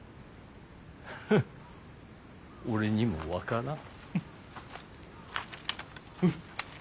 フッ俺にも分からん。